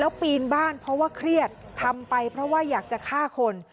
แล้วปีนบ้านเพราะว่าเครียดทำไปเพราะว่าอยากจะฆ่าคน